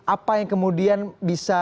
apa yang kemudian bisa